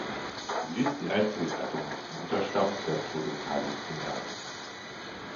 Sie ist die einzige Gattung im Unterstamm der Podocalycinae.